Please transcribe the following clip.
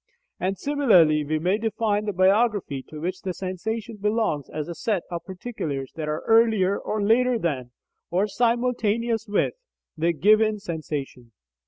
And similarly we may define the "biography" to which the sensation belongs as the set of particulars that are earlier or later than, or simultaneous with, the given sensation.